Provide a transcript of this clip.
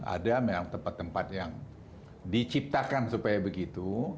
ada memang tempat tempat yang diciptakan supaya begitu